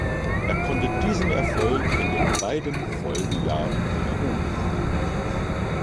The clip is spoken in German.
Er konnte diesen Erfolg in den beiden Folgejahren wiederholen.